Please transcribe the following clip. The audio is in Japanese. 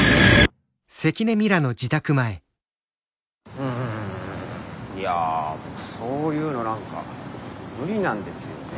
うんいやぁそういうの何か無理なんですよね。